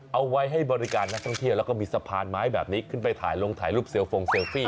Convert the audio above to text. เอาไว้ให้บริการนักท่องเที่ยวแล้วก็มีสะพานไม้แบบนี้ขึ้นไปถ่ายลงถ่ายรูปเซลฟงเซลฟี่